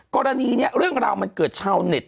กรณีนี้เรื่องราวมันเกิดชาวเน็ต